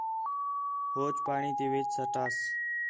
ہوچ پاݨی تی وِچ سٹاس